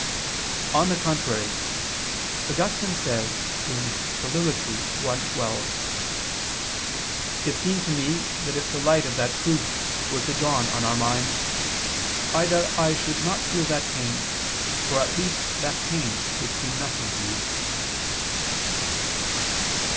On the contrary, Augustine says (Soliloq. i, 12): "It seemed to me that if the light of that truth were to dawn on our minds, either I should not feel that pain, or at least that pain would seem nothing to me."